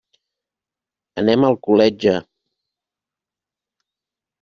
Anem a Alcoletge.